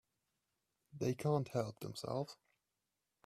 They can't help themselves.